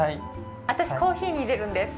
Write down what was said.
私、コーヒーに入れるんです。